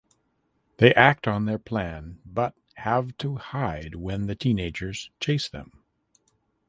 They act on their plan but have to hide when the teenagers chase them.